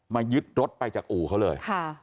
ยึดรถไปจากอู่เขาเลย